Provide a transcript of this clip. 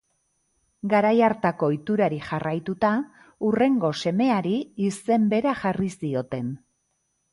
Garai hartako ohiturari jarraituta, hurrengo semeari izen bera jarri zioten.